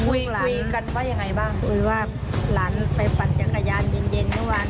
คุยกันว่ายังไงบ้างคุยว่าหลานไปปั่นจักรยานเย็นเย็นเมื่อวาน